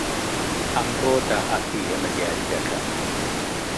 ئەمڕۆ داهاتووی ئێمە دیاری دەکات